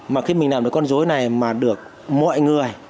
mà khi mình làm được con dối này mà được mọi người